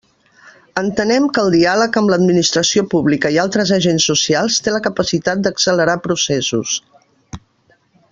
Entenem que el diàleg amb l'administració pública i altres agents socials té la capacitat d'accelerar processos.